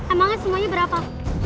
emangnya semuanya berapa